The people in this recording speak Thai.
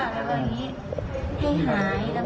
แม่ก็กลับมาเหมือนเดิม